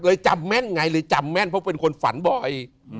จำแม่นไงเลยจำแม่นเพราะเป็นคนฝันบ่อย